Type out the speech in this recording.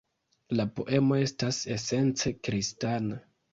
La poemo estas esence kristana.